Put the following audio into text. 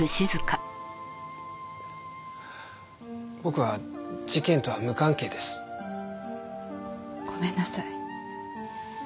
僕は事件とは無関係です。ごめんなさい。